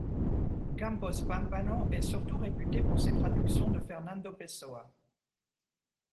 Campos Pámpano est surtout réputé pour ses traductions de Fernando Pessoa.